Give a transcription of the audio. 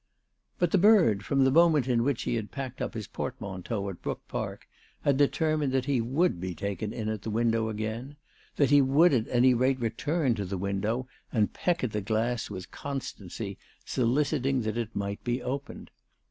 But the bird, from the moment in which he had packed up his portmanteau at Brook Park, had deter mined that he would be taken in at the window again, that he would at any rate return to the window, and peck at the glass with constancy, soliciting that it might be opened.